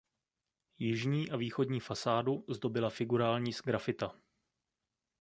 Jižní a východní fasádu zdobila figurální sgrafita.